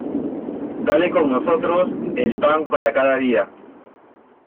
Dale con nosotros el pan para cada día.